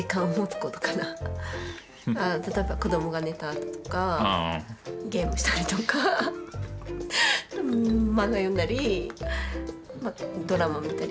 例えば子どもが寝たあととかゲームしたりとか漫画読んだりドラマ見たり。